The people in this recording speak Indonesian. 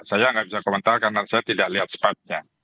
saya nggak bisa komentar karena saya tidak lihat spadnya